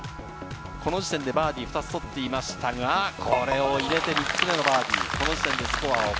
この時点でバーディーを２つ取っていましたが、これを入れて、３つ目のバーディー。